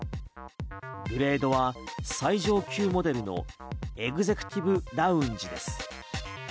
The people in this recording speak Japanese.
グレードは最上級モデルのエグゼクティブラウンジです。